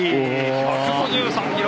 １５３キロ。